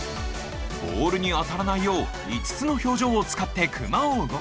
ボールに当たらないよう５つの表情を使ってクマを動かす！